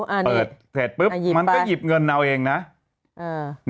อ่านี่เปิดเสร็จปุ๊บอ่าหยิบไปมันก็หยิบเงินเอาเองน่ะอ่า